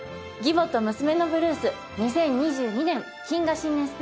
義母と娘のブルース２０２２年謹賀新年